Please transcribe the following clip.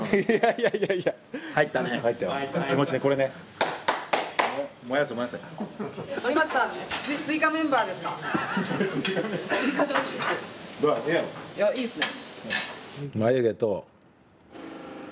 いやいいっすね。